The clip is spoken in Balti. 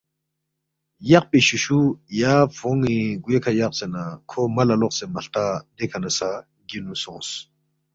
یقپی شُوشُو یا فون٘ی گوے کھہ یقسے نہ کھو ملا لوقسے مہ ہلتا دیکھہ نہ سہ گینُو سونگس